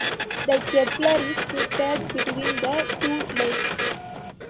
The Kepler is situated between the two lakes.